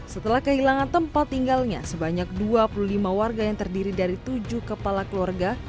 setelah kehilangan tempat tinggalnya sebanyak dua puluh lima warga yang terdiri dari tujuh kepala keluarga